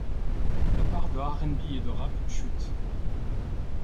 La part de RnB et de rap chute.